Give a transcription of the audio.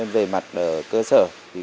về mặt cơ sở